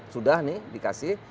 sudah nih dikasih